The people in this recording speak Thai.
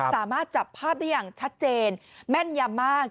สามารถจับภาพได้อย่างชัดเจนแม่นยำมาก